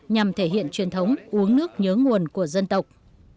nhằm thể hiện truyền thống uống nước nhớ nguồn của dân tộc